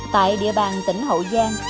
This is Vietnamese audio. tại địa bàn tỉnh hậu giang